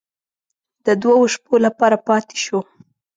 د دوو شپو لپاره پاتې شوو.